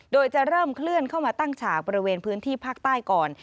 โดยจะเริ่มเคลื่อนเข้ามาตั้งฉากบริเวณพื้นที่ภาคใต้ก่อน